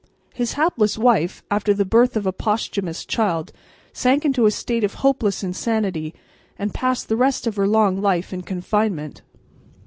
His hapless wife, after the birth of a posthumous child, sank into a state of hopeless insanity and passed the rest of her long life in confinement.